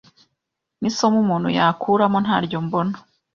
nisomo umuntu yakuramo ntaryo mbona